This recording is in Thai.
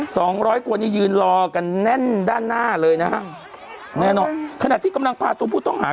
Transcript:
สองร้อยคนนี้ยืนรอกันแน่นด้านหน้าเลยนะฮะแน่นอนขณะที่กำลังพาตัวผู้ต้องหา